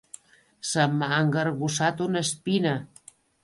Se m'ha engargussat una espina.